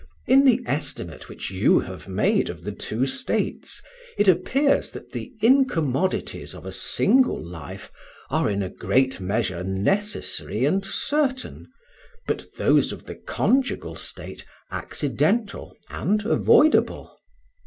In the estimate which you have made of the two states, it appears that the incommodities of a single life are in a great measure necessary and certain, but those of the conjugal state accidental and avoidable.